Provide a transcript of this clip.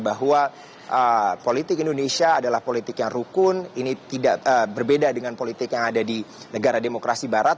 bahwa politik indonesia adalah politik yang rukun ini tidak berbeda dengan politik yang ada di negara demokrasi barat